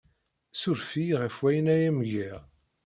Ssuref-iyi ɣef wayen ay am-giɣ.